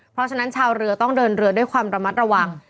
เพราะฉะนั้นชาวเรือต้องเดินเรือด้วยความระมัดระวัง